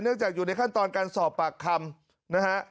จากอยู่ในขั้นตอนการสอบปากคำนะฮะ